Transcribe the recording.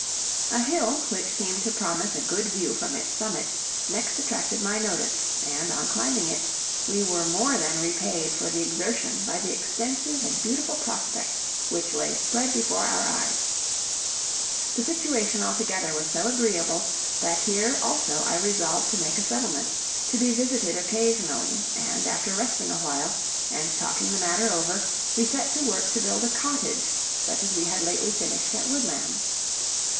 A hill, which seemed to promise a good view from its summit, next attracted my notice, and, on climbing it, we were more than repaid for the exertion by the extensive and beautiful prospect which lay spread before our eyes. The situation altogether was so agreeable, that here also I resolved to make a settlement, to be visited occasionally, and, after resting awhile and talking the matter over, we set to work to build a cottage such as we had lately finished at Woodlands.